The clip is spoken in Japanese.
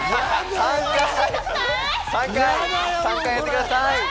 ３回、３回やってください。